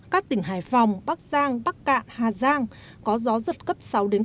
các tỉnh hải phòng bắc giang bắc cạn hà giang có gió giật cấp sáu bảy